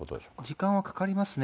時間はかかりますね。